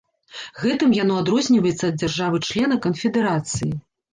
Гэтым яно адрозніваецца ад дзяржавы-члена канфедэрацыі.